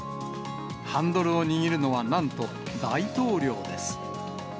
ハンドルを握るのは、なんと大統領です。